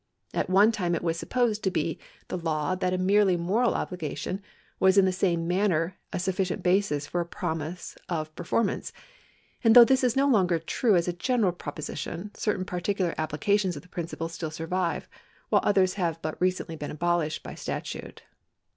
At one time it was supposed to be the law that a merely moral obligation was in the same manner a sufficient basis for a promise of per formance, and though this is no longer true as a general pro position, certain particular applications of the principle still survive, while others have but recently been abolished by statute.